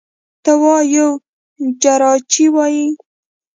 ته وا یو جارچي وايي: